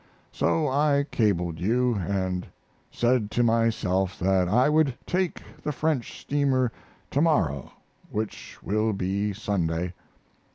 So I cabled you, and said to myself that I would take the French steamer to morrow (which will be Sunday).